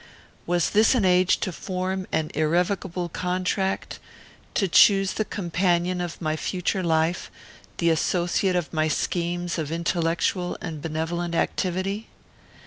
Was this an age to form an irrevocable contract; to choose the companion of my future life, the associate of my schemes of intellectual and benevolent activity?